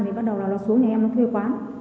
thì bắt đầu là nó xuống nhà em nó thuê quán